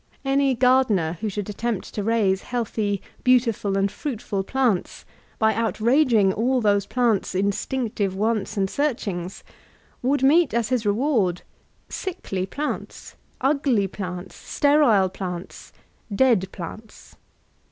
Any gardener who should attempt to raise healthy, beautiful, and fruitful plants by outraging all those plants' instinctive wants and searchings, would meet as his reward — sickly plants, ugly plants, sterile plants, dead plants.